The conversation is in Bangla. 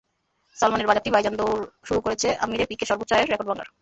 সালমানের বাজারটি ভাইজান দৌড় শুরু করেছে আমিরের পিকের সর্বোচ্চ আয়ের রেকর্ড ভাঙার।